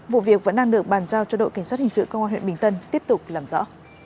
vụ việc vẫn đang được bàn giao cho đội cảnh sát hình sự công an huyện bình tân tiếp tục làm rõ